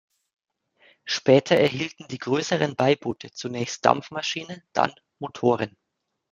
Später erhielten die größeren Beiboote zunächst Dampfmaschinen, dann Motoren.